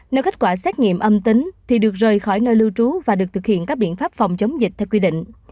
nếu kết quả xét nghiệm âm tính thì được rời khỏi nơi lưu trú và được thực hiện các biện pháp phòng chống dịch theo quy định